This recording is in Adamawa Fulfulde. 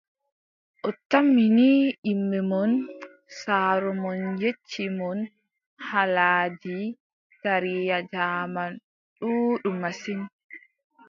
O tammi ni yimɓe mon, saaro mon yecci mon haalaaji taariya jaaman ɗuuɗɗum masin.